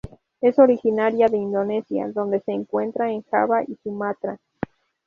Es originaria de Indonesia, donde se encuentra en Java y Sumatra.